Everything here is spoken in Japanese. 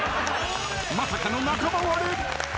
まさかの仲間割れ。